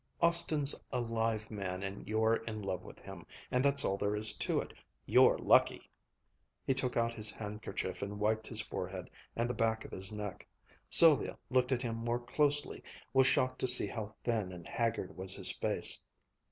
Austin's a live man and you're in love with him; and that's all there is to it. You're lucky!" He took out his handkerchief, and wiped his forehead and the back of his neck. Sylvia, looking at him more closely, was shocked to see how thin and haggard was his face.